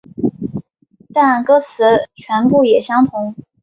但歌词全部也相同。